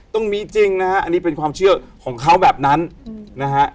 ต้องมีจริงนะฮะอันนี้เป็นความเชื่อของเขาแบบนั้นนะฮะ